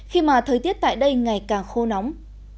khi mà thời tiết tại đây ngày càng khô nóng